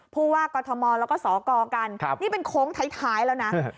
ผู้ว่ากฎธมรณ์แล้วก็สอกอกันครับนี่เป็นโค้งท้ายท้ายแล้วนะฮึฮึ